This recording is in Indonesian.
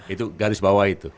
itu garis bawah itu